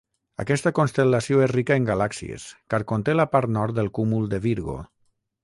Aquesta constel·lació és rica en galàxies, car conté la part nord del cúmul de Virgo.